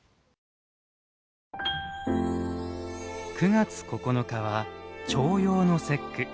９月９日は重陽の節句。